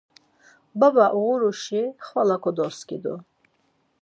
Baba uğuruşi xvala kodoskidu.